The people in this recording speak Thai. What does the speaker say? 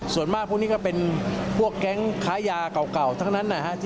ส่วนมากพวกนี้ก็เป็นพวกแก๊งค้ายาเก่าทั้งนั้นนะฮะ